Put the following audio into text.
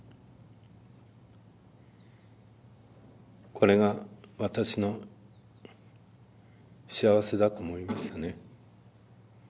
これが私の幸せだと思いましたね。